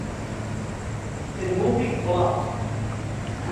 The Movie", "Plop!